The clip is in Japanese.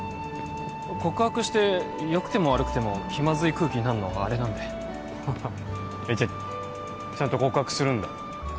告白してよくても悪くても気まずい空気になんのもあれなんでえっじゃあちゃんと告白するんだ？